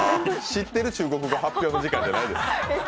知ってる中国語発表の時間じゃないです。